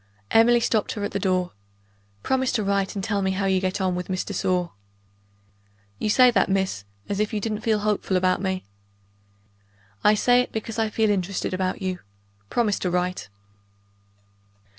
Emily stopped her at the door. "Promise to write and tell me how you get on with Miss de Sor." "You say that, miss, as if you didn't feel hopeful about me." "I say it, because I feel interested about you. Promise to write."